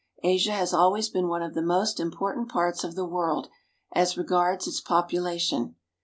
Asia has always been one of the most important parts of the world as regards its population.